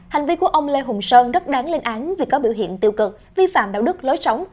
hành vi của ông lê hùng sơn rất đáng lên án vì có biểu hiện tiêu cực vi phạm đạo đức lối sống